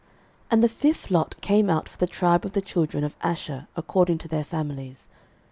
06:019:024 And the fifth lot came out for the tribe of the children of Asher according to their families.